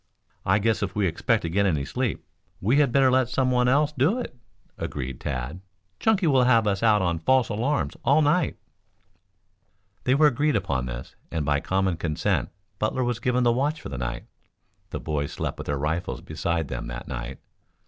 "I guess if we expect to get any sleep we had better let some one else do it," agreed Tad. "Chunky will have us out on false alarms all night long." They were agreed upon this, and by common consent Butler was given the watch for the night. The boys slept with their rifles beside them that night.